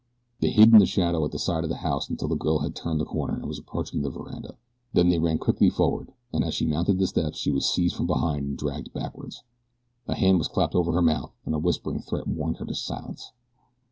They hid in the shadow at the side of the house until the girl had turned the corner and was approaching the veranda, then they ran quickly forward and as she mounted the steps she was seized from behind and dragged backward. A hand was clapped over her mouth and a whispered threat warned her to silence.